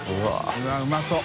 うわっうまそう。